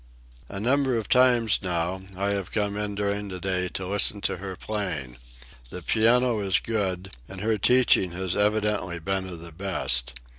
A number of times, now, I have come in during the day to listen to her playing. The piano is good, and her teaching has evidently been of the best.